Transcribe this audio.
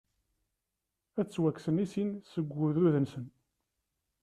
Ad ttwakksen i sin seg ugdud-nsen.